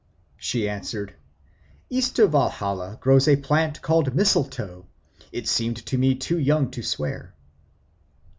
She answered, "East of Walhalla grows a plant called mistletoe; it seemed to me too young to swear."